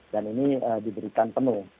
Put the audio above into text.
dan ini diberikan penuh